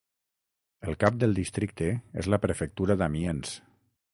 El cap del districte és la prefectura d'Amiens.